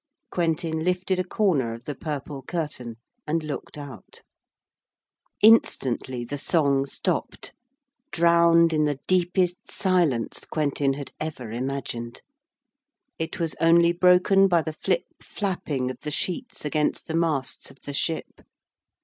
Quentin lifted a corner of the purple curtain and looked out. Instantly the song stopped, drowned in the deepest silence Quentin had ever imagined. It was only broken by the flip flapping of the sheets against the masts of the ship.